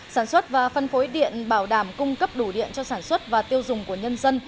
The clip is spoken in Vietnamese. sản xuất và phân phối điện bảo đảm cung cấp đủ điện cho sản xuất và tiêu dùng của nhân dân